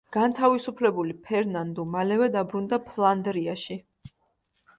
განთავისუფლებული ფერნანდუ მალევე დაბრუნდა ფლანდრიაში.